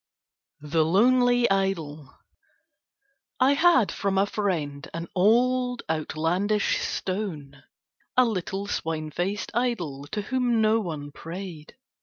THE LONELY IDOL I had from a friend an old outlandish stone, a little swine faced idol to whom no one prayed.